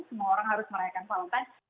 semua orang harus merayakan valentine's day